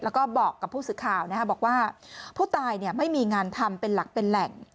แล้วก็บอกกับผู้สื่อข่าวบอกว่าผู้ตายไม่มีงานทำเป็นหลักเป็นแหล่ง